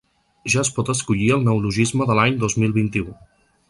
Ja es pot escollir el neologisme de l’any dos mil vint-i-u.